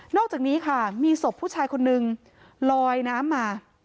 อกจากนี้ค่ะมีศพผู้ชายคนนึงลอยน้ำมา